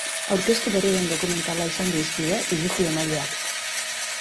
Aurkeztu berri den dokumentala izan du hizpide iritzi-emaileak.